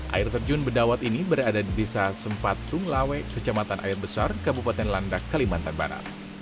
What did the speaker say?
air terjun bedawat ini berada di desa sempat tunglawe kecamatan air besar kabupaten landak kalimantan barat